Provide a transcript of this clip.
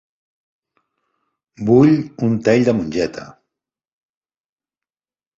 Vull un tall de mongeta.